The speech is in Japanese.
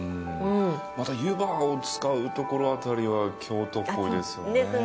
また湯葉を使うところあたりは京都っぽいですよね。